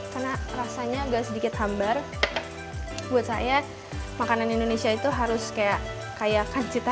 karena rasanya agak sedikit hambar buat saya makanan indonesia itu harus kayak kayak kancita